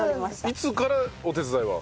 いつからお手伝いは？